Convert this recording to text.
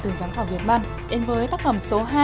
từ giám khảo việt nam